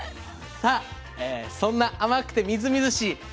さあそんな甘くてみずみずしい